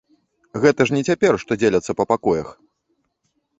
Гэта ж не цяпер, што дзеляцца па пакоях.